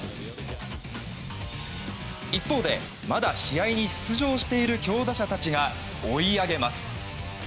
一方で、まだ試合に出場している強打者たちが追い上げます。